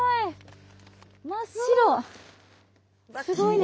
すごいね。